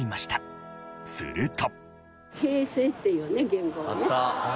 すると。